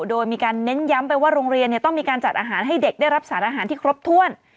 โดยมีการเน้นย้ำไปว่าโรงเรียนต้องมีการจัดอาหารให้เด็กได้รับสารอาหารที่ครบถ้วน